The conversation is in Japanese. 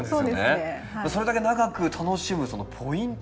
それだけ長く楽しむポイント